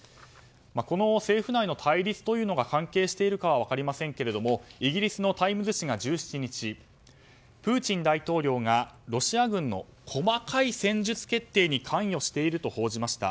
この政府内の対立が関係しているかは分かりませんがイギリスのタイムズ紙が１７日プーチン大統領がロシア軍の細かい戦術決定に関与していると報じました。